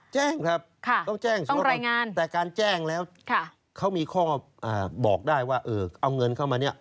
แจ้งครับต้องแจ้งเขารายงานแต่การแจ้งแล้วเขามีข้อบอกได้ว่าเอาเงินเข้ามาเนี่ย